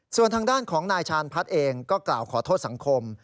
ส่วนทางด้านของนายชาญพัฒน์เองก็กล่าวขอโทษสังคม